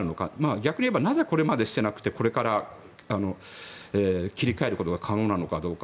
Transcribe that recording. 逆にいえばなぜこれまでしてなくてこれから切り替えることが可能なのかどうか。